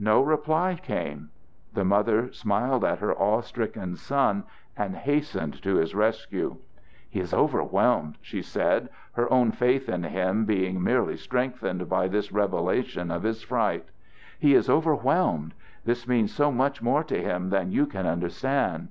No reply came. The mother smiled at her awe stricken son and hastened to his rescue. "He is overwhelmed," she said, her own faith in him being merely strengthened by this revelation of his fright. "He is overwhelmed. This means so much more to him than you can understand."